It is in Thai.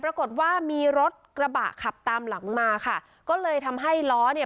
ปรากฏว่ามีรถกระบะขับตามหลังมาค่ะก็เลยทำให้ล้อเนี่ย